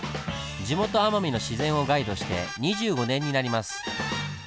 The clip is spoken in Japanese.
地元奄美の自然をガイドして２５年になります。